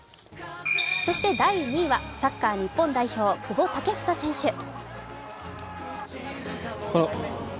そして第２位はサッカー日本代表、久保建英選手。